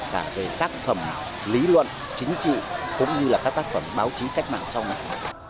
cả về tác phẩm lý luận chính trị cũng như là các tác phẩm báo chí cách mạng sau này